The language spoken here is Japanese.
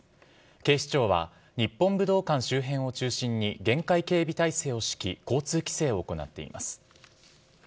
警視庁は、日本武道館周辺を中心に厳戒警備態勢を敷き、交通規制を行っています。